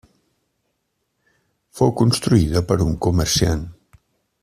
Fou construïda per un comerciant.